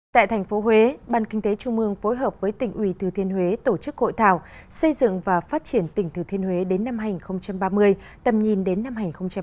tại thành phố huế ban kinh tế trung mương phối hợp với tỉnh ủy thừa thiên huế tổ chức hội thảo xây dựng và phát triển tỉnh thừa thiên huế đến năm hai nghìn ba mươi tầm nhìn đến năm hai nghìn bốn mươi năm